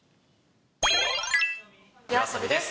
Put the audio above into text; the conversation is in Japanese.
ＹＯＡＳＯＢＩです。